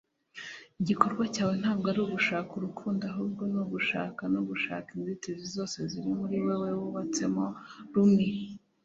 igikorwa cyawe ntabwo ari ugushaka urukundo, ahubwo ni ugushaka no gushaka inzitizi zose ziri muri wewe wubatsemo - rumi